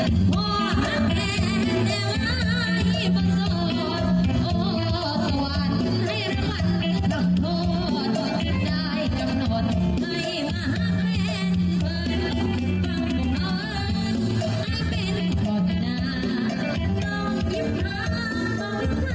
ไม่เป็นเหตุการณาแต่ก็ต้องกินผักต่อวิทยาลักษณะ